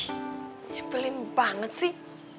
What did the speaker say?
ih nyimpelin banget sih